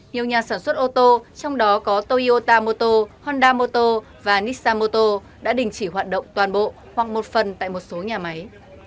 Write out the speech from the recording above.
nhiều nhà sản xuất ô tô trong đó có toyota motor honda motor và nissan motor đã đình chỉ hoạt động toàn bộ hoặc một phần tại một số nhà máy